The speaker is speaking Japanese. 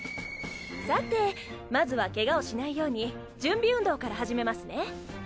さてまずはケガをしないように準備運動から始めますね。